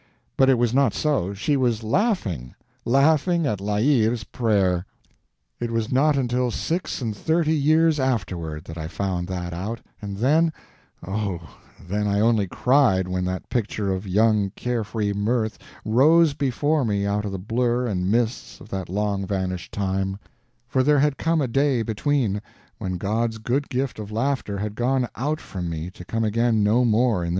But it was not so, she was laughing—laughing at La Hire's prayer. It was not until six and thirty years afterward that I found that out, and then—oh, then I only cried when that picture of young care free mirth rose before me out of the blur and mists of that long vanished time; for there had come a day between, when God's good gift of laughter had gone out from me to come again no more in this life.